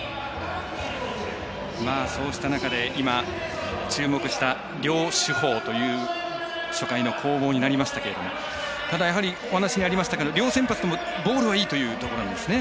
そうした中で今、注目した両主砲という初回の攻防になりましたがただ、お話にもありましたが両投手ともボールいいというところなんですね。